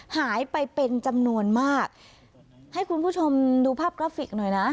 หายไปเป็นจำนวนมากให้คุณผู้ชมดูภาพกราฟิกหน่อยนะ